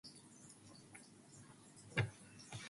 今日は何を作ろうかな？